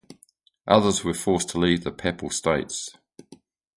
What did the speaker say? Others were forced to leave the Papal States.